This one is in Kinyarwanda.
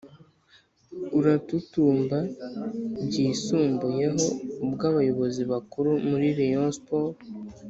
uratutumba byisumbuyeho ubwo abayobozi bakuru muri reyon sport